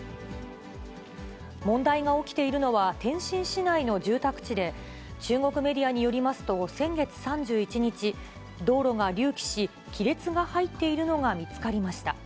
問題が起きているのは、天津市内の住宅地で、中国メディアによりますと、先月３１日、道路が隆起し、亀裂が入っているのが見つかりました。